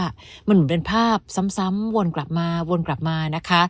มันเหมือนเป็นภาพซ้ำวนกลับมาวนกลับมานะคะ